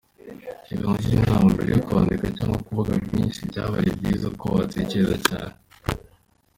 Reka nkugire inama….mbere yo kwandika cyangwa kuvuga byinshi….byabaye byiza ko watekereza cyane!